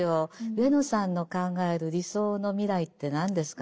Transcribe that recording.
「上野さんの考える理想の未来って何ですか？」。